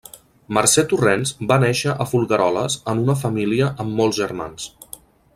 Mercè Torrents va néixer a Folgueroles en una família amb molts germans.